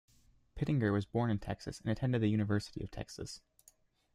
Pittenger was born in Texas and attended the University of Texas.